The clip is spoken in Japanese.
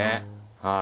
はい。